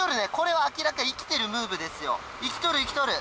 生きとる生きとる！